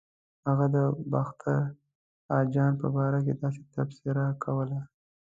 هغه د باختر اجان په باره کې داسې تبصره کوله.